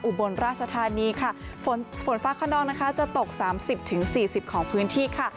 บนราชธานีค่ะฝนฝนฟ้าขนองนะคะจะตก๓๐๔๐ของพื้นที่ค่ะ